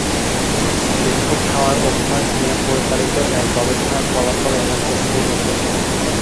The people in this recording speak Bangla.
বিস্কুট খাওয়ার অভ্যাস নিয়ে পরিচালিত এক গবেষণার ফলাফলে এমন তথ্য উঠে এসেছে।